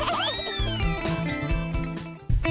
ย่าดาวเก่าอีกย้า